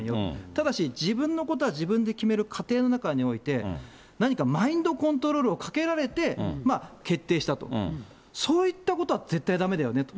ただし、自分のことは自分で決める過程の中において、何かマインドコントロールをかけられて、決定したと、そういったことは絶対だめだよねと。